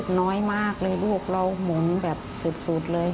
โอ้โฮน้อยมากเลยลูกเรามุมแบบสุดเลย